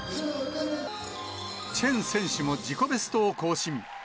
チェン選手も自己ベストを更新。